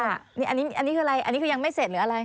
อันนี้คืออะไรอันนี้คือยังไม่เสร็จหรืออะไร